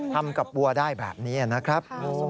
ทำกับวัวได้แบบนี้นะครับ